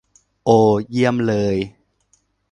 โอ เยี่ยมเลย